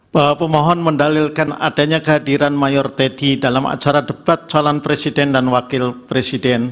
bahwa pemohon mendalilkan adanya kehadiran mayor teddy dalam acara debat calon presiden dan wakil presiden